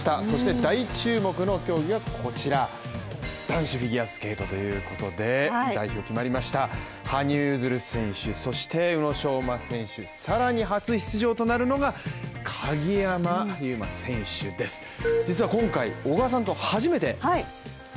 そして大注目の競技はこちら男子フィギュアスケートということで、代表決まりました羽生結弦選手、そして宇野昌磨選手、さらに初出場となるのが、鍵山優真選手です。